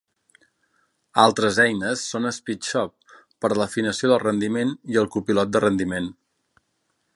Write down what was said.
Altres eines són Speedshop per a l'afinació del rendiment i el copilot de rendiment.